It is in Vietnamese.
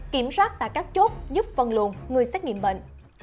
kiểm soát tại các chốt giúp phân luồng người xét nghiệm bệnh